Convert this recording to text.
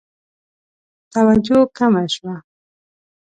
توجه کمه شوه.